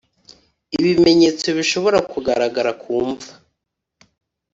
Ibimenyetso bishobora kugaragara ku mva